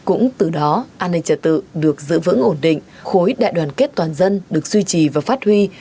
an ninh trật tự được giữ vững ổn định khối đại đoàn kết toàn dân được duy trì và phát huy